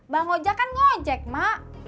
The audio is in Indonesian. bang hojak kan ngojek mak